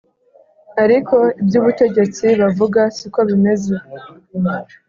ariko ibyo ubutegetsi buvuga siko bimeze